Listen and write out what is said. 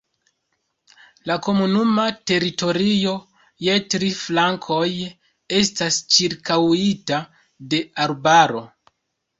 La komunuma teritorio je tri flankoj estas ĉirkaŭita de arbaro.